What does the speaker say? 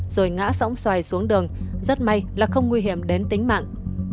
rồi ngã sóng xoài xuống đường rất may là không nguy hiểm đến tính mạng